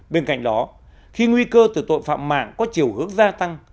bên cạnh đó khi nguy cơ từ tội phạm mạng có chiều hướng gia tăng